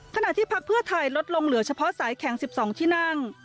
พักเพื่อไทยลดลงเหลือเฉพาะสายแข่ง๑๒ที่นั่ง